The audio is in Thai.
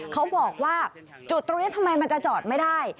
เขาบอกว่าจุดตรงนี้ทำไมมันจะจอดไม่ได้